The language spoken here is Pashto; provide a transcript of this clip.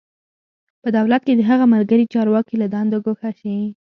په دولت کې د هغه ملګري چارواکي له دندو ګوښه شي.